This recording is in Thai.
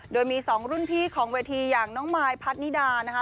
โดยมี๒รุ่นพี่ของเวทีอย่างน้องมายพัฒนิดานะคะ